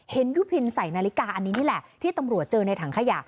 ยุพินใส่นาฬิกาอันนี้นี่แหละที่ตำรวจเจอในถังขยะ